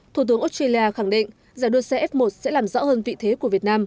thủ tướng australia khẳng định giải đua xe f một sẽ làm rõ hơn vị thế của việt nam